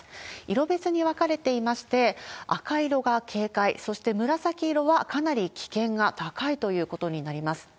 色別に分かれていまして、赤色が警戒、そして紫色はかなり危険が高いということになります。